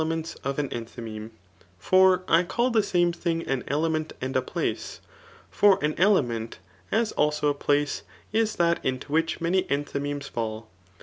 ments of an enthymeme ; for I call the same thing an element and place. For an element, as also a places b that into which many enthymfemes £dl.